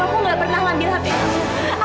aku tidak pernah mengambil handphone kamu